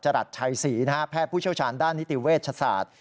จรัสไชศีแพทย์ผู้เชี่ยวชาญด้านนิติเวทย์ชาติ